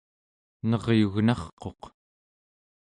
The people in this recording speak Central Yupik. neryugnarquq